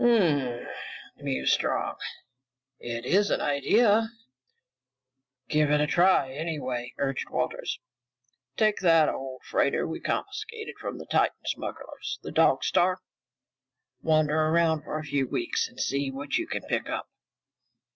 "Ummmmh," mused Strong. "It is an idea." "Give it a try, anyway," urged Walters. "Take that old freighter we confiscated from the Titan smugglers, the Dog Star. Wander around for a few weeks and see what you can pick up.